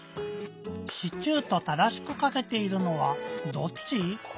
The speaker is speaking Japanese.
「シチュー」と正しくかけているのはどっち？